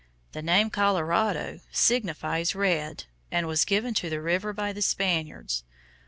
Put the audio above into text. The name "Colorado" signifies red, and was given to the river by the Spaniards.